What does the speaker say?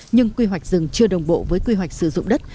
nhưng quy hoạch rừng chưa đồng bộ với quy hoạch sử dụng đất